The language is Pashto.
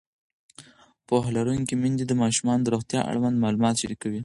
پوهه لرونکې میندې د ماشومانو د روغتیا اړوند معلومات شریکوي.